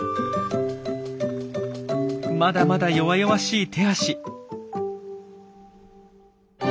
まだまだ弱々しい手足。